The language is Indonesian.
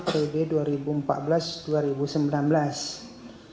ketua dprd malang periode dua ribu empat belas dua ribu sembilan belas